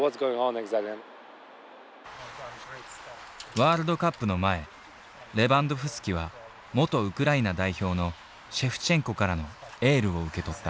ワールドカップの前レバンドフスキは元ウクライナ代表のシェフチェンコからのエールを受け取った。